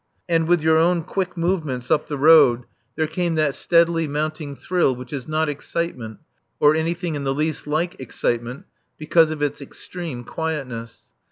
And with your own quick movements up the road there came that steadily mounting thrill which is not excitement, or anything in the least like excitement, because of its extreme quietness.